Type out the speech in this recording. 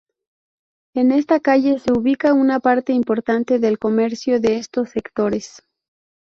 En esta calle se ubica una parte importante del comercio de estos sectores.